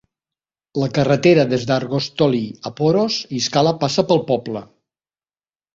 La carretera des d'Argostoli a Poros i Skala passa pel poble.